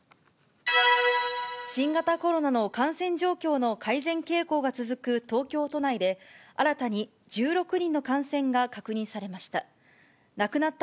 新型コロナの感染状況の改善傾向が続く東京都内で、新たに１６人の感染が確認されました。